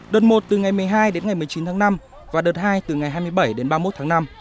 đợt một từ ngày một mươi hai đến ngày một mươi chín tháng năm và đợt hai từ ngày hai mươi bảy đến ba mươi một tháng năm